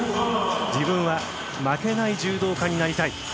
自分は負けない柔道家になりたい。